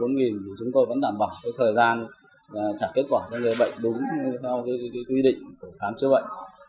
thì chúng tôi vẫn đảm bảo cái thời gian trả kết quả cho người bệnh đúng theo cái quy định của khám chứa bệnh